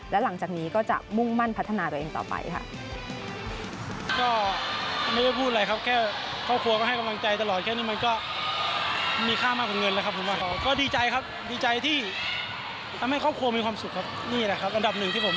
และหลังจากนี้ก็จะมุ่งมั่นพัฒนาตัวเองต่อไปค่ะ